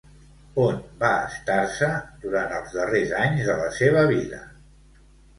On va estar-se durant els darrers anys de la seva vida?